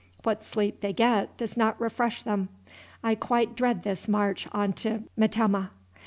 What sleep they get does not refresh them. I quite dread this march on to Metemmeh.